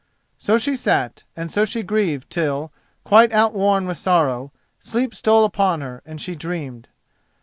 So she sat and so she grieved till, quite outworn with sorrow, sleep stole upon her and she dreamed.